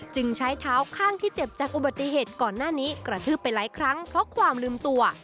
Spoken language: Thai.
ใช้เท้าข้างที่เจ็บจากอุบัติเหตุก่อนหน้านี้กระทืบไปหลายครั้งเพราะความลืมตัว